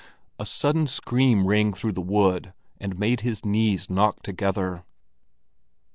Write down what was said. A sudden scream rang through the wood, and made his knees knock together.